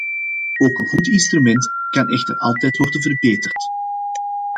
Ook een goed instrument kan echter altijd worden verbeterd.